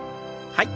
はい。